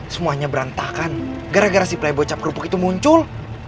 semuanya berantakan gara gara si plebocap kerupuk itu muncul